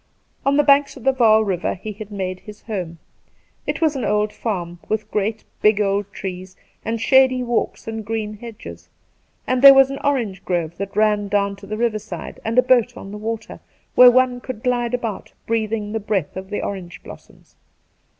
On the banks of the Yaal River he had made his home. It was an old farm, with great, big old trees and shady walks and green hedges, and there was an orange grove that ran down to the river side, an)i a boat on the water, where one could glide about breathing the breath of the orange blossoms.